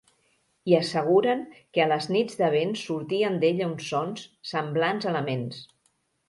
I asseguren que a les nits de vent sortien d'ella uns sons, semblants a laments.